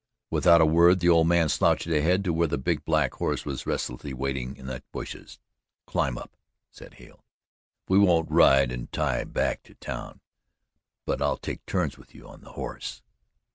Without a word the old man slouched ahead to where the big black horse was restlessly waiting in the bushes. "Climb up," said Hale. "We won't 'ride and tie' back to town but I'll take turns with you on the horse."